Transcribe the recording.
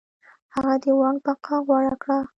هغه د واک بقا غوره کړه.